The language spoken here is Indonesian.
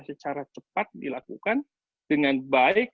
secara cepat dilakukan dengan baik